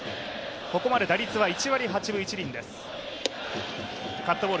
ここまで打率は１割８分１厘です。